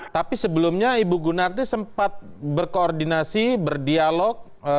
tapi sebelumnya ibu gunarti sempat berkoordinasi berdialog